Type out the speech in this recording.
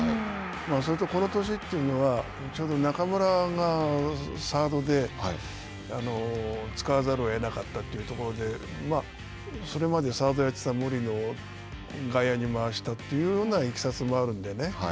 それとこの年というのは、ちょうど中村がサードで使わざるを得なかったというところで、それまでサードをやってた森野を外野に回したというようないきさつもあるんでね。